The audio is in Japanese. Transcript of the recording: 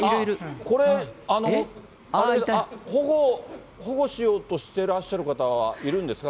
これ、保護しようとしてらっしゃる方はいるんですか？